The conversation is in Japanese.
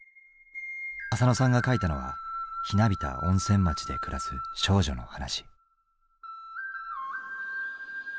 あさのさんが書いたのはひなびた温泉町で暮らす少女の話。